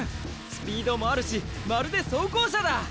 スピードもあるしまるで装甲車だ！